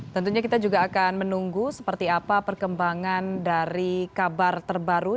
tentunya kita juga akan menunggu seperti apa perkembangan dari kabar terbaru